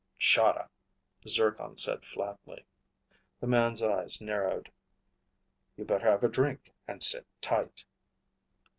"Chahda," Zircon said flatly. The man's eyes narrowed. "You better have a drink and sit tight."